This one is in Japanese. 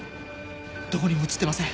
どこにも写ってません